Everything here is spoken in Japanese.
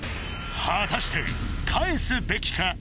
果たして返すべきか？